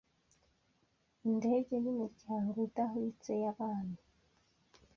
Indege yimiryango idahwitse yabami,